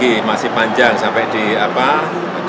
ya ini masih banyak yang diperlukan pak pak